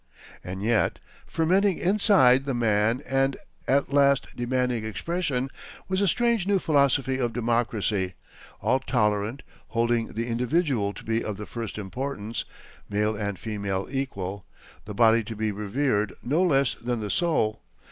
And yet, fermenting inside the man and at last demanding expression, was a strange new philosophy of democracy, all tolerant, holding the individual to be of the first importance, male and female equal, the body to be revered no less than the soul.